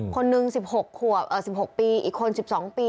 คนนึง๑๖ปีอีกคน๑๒ปี